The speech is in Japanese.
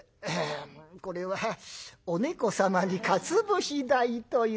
これはお猫様にかつ節代という」。